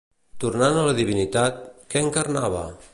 Tornant a la divinitat, què encarnava?